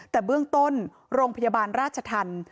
แต่เบื้องต้นโรงพยาบาลราชธรรม